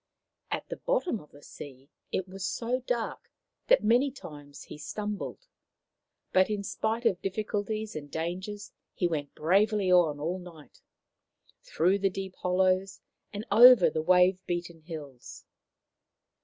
At the bottom of the sea it was so dark that many times he stumbled. But, in spite of diffi culties and dangers, he went bravely on all night, through the deep hollows and over the wave beaten hills.